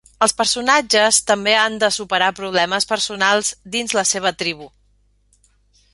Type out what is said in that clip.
Els personatges també han de superar problemes personals dins la seva tribu.